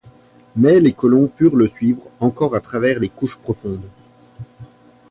Mais les colons purent le suivre encore à travers les couches profondes.